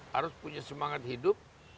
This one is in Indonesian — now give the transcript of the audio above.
harus punya semangat hidup